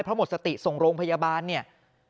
เพราะหมดสติส่งโรงพยาบาลเนี่ย